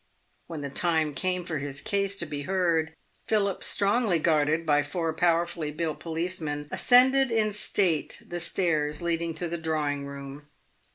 When the time came for his case to be heard, Philip, strongly guarded by four powerfully built policemen, ascended in state the stairs leading to the drawing room.